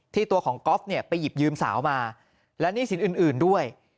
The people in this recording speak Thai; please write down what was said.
ตัวของก๊อฟเนี่ยไปหยิบยืมสาวมาและหนี้สินอื่นด้วย